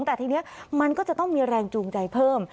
แต่ทีนี้มันก็จะต้องมีแรงจูงใจเพิ่ม